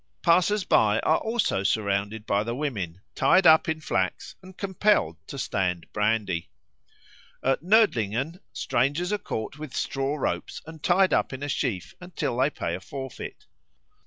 Passers by are also surrounded by the women, tied up in flax, and compelled to stand brandy. At Nördlingen strangers are caught with straw ropes and tied up in a sheaf till they pay a forfeit.